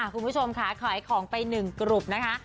คุณผู้ชมขำนายของไปหนึ่งกลุ่มนะคะ